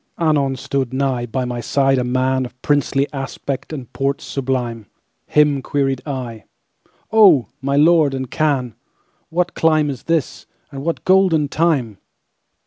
Anon stood nighBy my side a manOf princely aspect and port sublimeHim queried I—"Oh, my Lord and Khan, What clime is this, and what golden time?"